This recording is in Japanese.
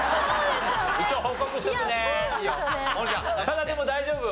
ただでも大丈夫。